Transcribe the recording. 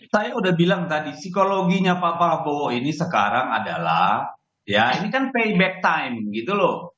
saya udah bilang tadi psikologinya pak prabowo ini sekarang adalah ya ini kan payback time gitu loh